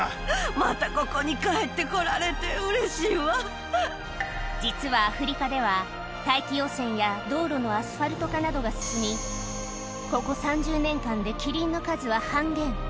またここに帰ってこられてう実はアフリカでは、大気汚染や道路のアスファルト化などが進み、ここ３０年間でキリンの数は半減。